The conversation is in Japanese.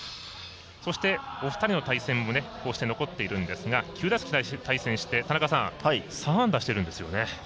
そして、お二人の対戦も残っているんですが９打席対戦して田中さん３安打しているんですね。